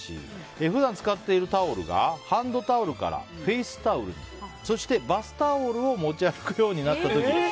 普段使っているタオルがハンドタオルからフェイスタオルにそしてバスタオルを持ち歩くようになっています。